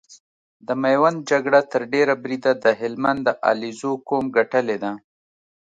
د ميوند جګړه تر ډېره بريده د هلمند د عليزو قوم ګټلې ده۔